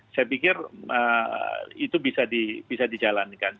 saya pikir itu bisa dijalankan